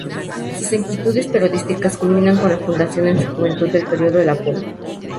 Sus inquietudes periodísticas culminan con la fundación en su juventud del periódico El Apolo.